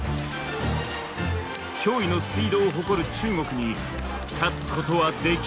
驚異のスピードを誇る中国に勝つことはできるのか。